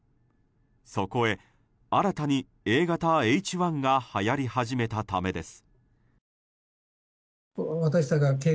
そこへ、新たにＡ型Ｈ１がはやり始めたためです。